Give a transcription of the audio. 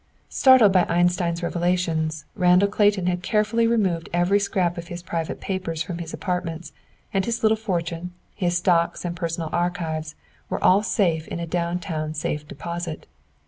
Startled by Einstein's revelations, Randall Clayton had carefully removed every scrap of his private papers from his apartments, and his little fortune, his stocks and personal archives, were all safe in a down town Safe Deposit.